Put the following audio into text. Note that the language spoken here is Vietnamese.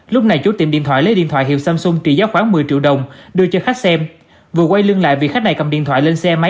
lúc này chủ tiệm điện thoại lấy điện thoại hiệu samsung trị giá khoảng một mươi triệu đồng đưa cho khách xem